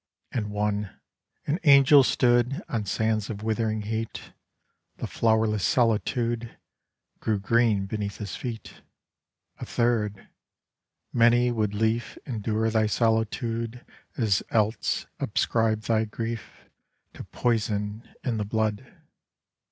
And one, 'An angel stood On sands of withering heat; The flowerless solitude Grew green beneath his feet.' A third, 'Many would lief Endure thy solitude As else. Ascribe thy grief To poison in the blood.